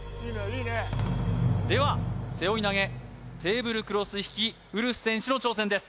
では背負い投げテーブルクロス引きウルフ選手の挑戦です